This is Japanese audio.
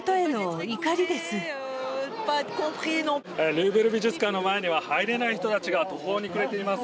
ルーブル美術館の前には入れない人たちが途方に暮れています。